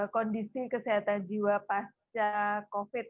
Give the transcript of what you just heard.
kondisi kesehatan jiwa pasca covid sembilan belas